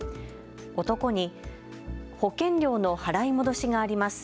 男に保険料の払い戻しがあります。